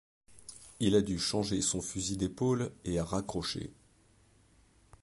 Il a du changer son fusil d’épaule et a raccroché.